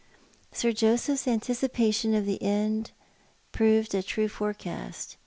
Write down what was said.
Sir Joseph's anticipation of the end proved a true forecast.